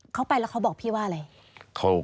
เขาไปแล้วเขาบอกพี่ว่าอะไร